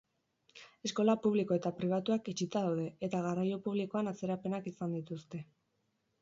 Eskola publiko eta pribatuak itxita daude, eta garraio publikoan atzerapenak izan dituzte.